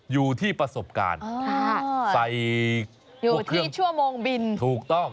อยู่ที่ประสบการณ์